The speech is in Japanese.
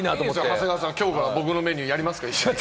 長谷川さん、きょうから僕のメニューをやりますか？